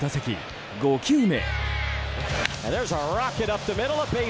この打席、５球目。